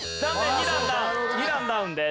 ２段ダウン２段ダウンです。